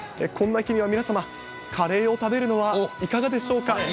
こんな日には皆様、カレーを食べるのはいかがでしょうか。